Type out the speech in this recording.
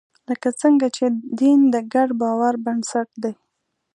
لکه څنګه چې دین د ګډ باور بنسټ دی.